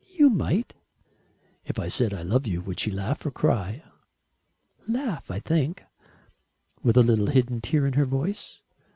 "You might." "If I said 'I love you,' would she laugh or cry?" "Laugh, I think." "With a little hidden tear in her voice?"